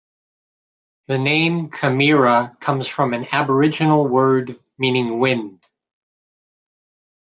The name "Camira" comes from an Aboriginal word meaning "wind.